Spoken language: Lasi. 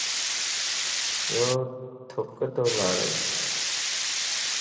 يو ٿُڪ تو لاڙي